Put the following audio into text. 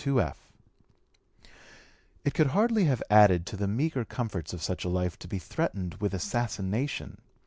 It could hardly have added to the meagre comforts of such a life to be threatened with assassination.